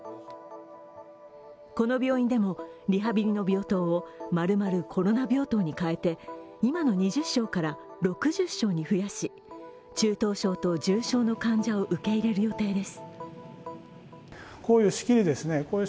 この病院でも、リハビリの病棟をまるまるコロナ病棟に変えて、今の２０床から６０床に増やし中等症と重症の患者を受け入れる予定です。